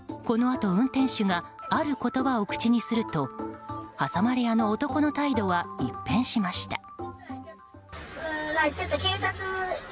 このあと運転手がある言葉を口にすると挟まれ屋の男の態度は一変しました。